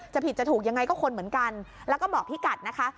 ผิดจะถูกยังไงก็คนเหมือนกันแล้วก็บอกพี่กัดนะคะ